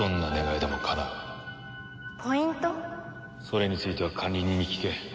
それについては管理人に聞け。